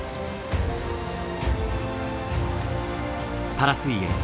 パラ水泳。